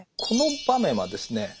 この場面はですね